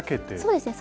そうですね。